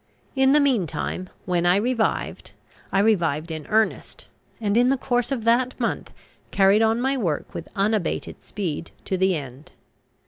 In the meantime, when I revived, I revived in earnest, and in the course of that month carried on my work with unabated speed to the end.